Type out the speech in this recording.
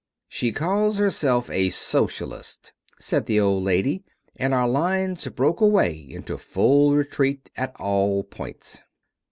"She calls herself a Socialist," said the old lady, and our lines broke away into full retreat at all points.